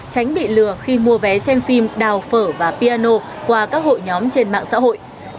tránh bị lừa khi mua vé xem phim đào phở và piano qua các hội nhóm trên mạng xã hội